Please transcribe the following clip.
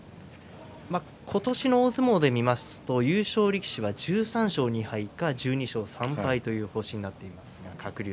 今年の大相撲で見ますと優勝力士は１３勝２敗か１２勝３敗という星になっています。